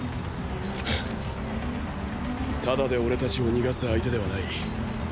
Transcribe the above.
ただで俺たちを逃がす相手ではない。